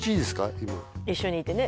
今一緒にいてね